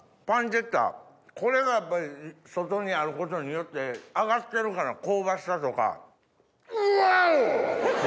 パンチェッタこれがやっぱり外にあることによって揚がってるから香ばしさとか。